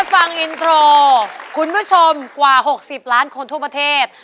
ฟังอินโทรคุณผู้ชมกว่า๖๐ล้านคนทั่วประเทศ